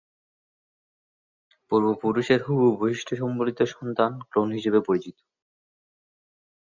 পূর্বপুরুষের হুবহু বৈশিষ্ট্য সংবলিত সন্তান ক্লোন হিসেবে পরিচিত।